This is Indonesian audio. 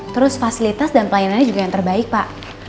terus fasilitas dan pelayanannya juga yang terbaik pak